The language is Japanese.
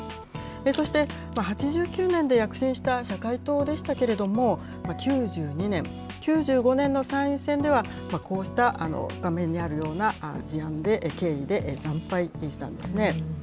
そして８９年で躍進した社会党でしたけれども、９２年、９５年の参院選では、こうした画面にあるような事案で、経緯で惨敗したんですね。